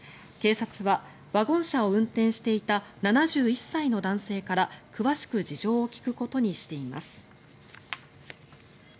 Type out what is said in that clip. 警察はワゴン車を運転していた７１歳の男性から詳しく事情を聴くことにしています。